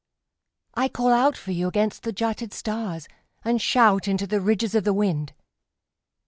I call out for you against the jutted stars And shout into the ridges of the wind.